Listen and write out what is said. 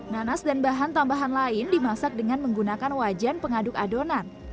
nanas dan bahan tambahan lain dimasak dengan menggunakan wajan pengaduk adonan